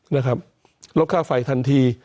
นะครับลดค่าไฟทันที